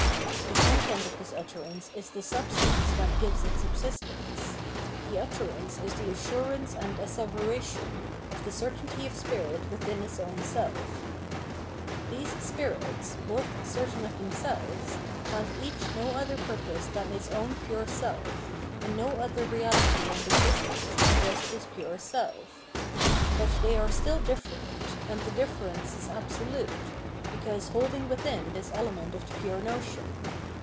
The content of this utterance is the substance that gives it subsistence ; the utterance is the assurance and asseveration of the certainty of spirit within its own self. These spirits, both certain of themselves, have each no other purpose than its own pure self, and no other reality and existence than just this pure self. But they are still difierent, and the difference is absolute, because holding within this element of the pure notion.